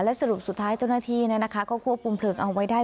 สรุปสุดท้ายเจ้าหน้าที่ก็ควบคุมเพลิงเอาไว้ได้